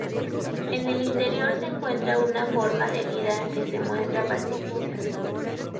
En el interior encuentra una forma de vida que se muestra pacífica.